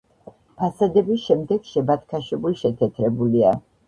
ფასადები შემდეგ შებათქაშებულ-შეთეთრებულია.